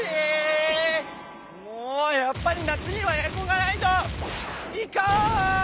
もうやっぱり夏にはエアコンがないと！